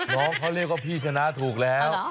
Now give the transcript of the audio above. น้องเขาเรียกว่าพี่ชนะถูกแล้ว